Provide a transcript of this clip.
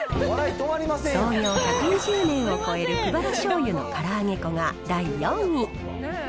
創業１２０年を超える久原醤油のから揚げ粉が第４位。